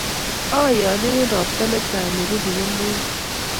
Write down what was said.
Ayanyenen ropta ne tai nerupu kemeut.